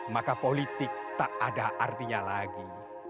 maka politik tak ada artinya lagi